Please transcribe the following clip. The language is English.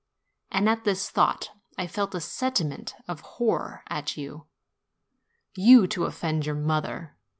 And at this thought MY MOTHER 33 I felt a sentiment of horror at you. You, to offend your mother!